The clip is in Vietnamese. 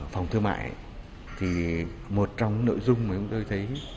phòng thương mại cũng như các hiệp hội cũng làm rất tốt câu chuyện này